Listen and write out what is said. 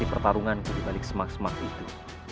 dan mencari pertarunganku di balik semak semak itu